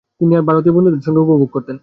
তিনি তার ভারতীয় বন্ধুদের সঙ্গ উপভোগ করতেন।